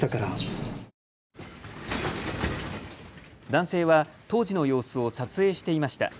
男性は当時の様子を撮影していました。